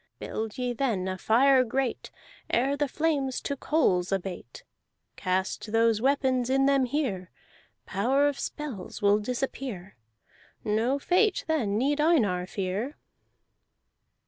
Build ye then a fire great; Ere the flames to coals abate, Cast those weapons in them here. Power of spells will disappear; No fate then need Einar fear!"